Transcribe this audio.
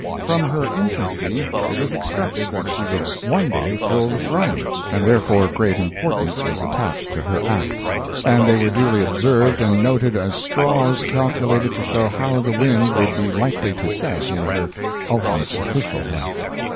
From her infancy it was expected that she would one day fill the throne, and therefore great importance was attached to her acts, and they were duly observed and noted as straws calculated to show how the wind would be likely to set in her ultimate official life.